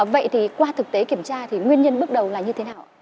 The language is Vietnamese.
vậy thì qua thực tế kiểm tra thì nguyên nhân bước đầu là như thế nào